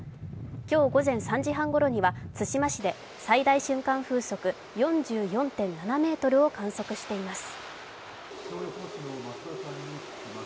今日午前３時半ごろには対馬市で、最大瞬間風速４４．７メートルを観測しています。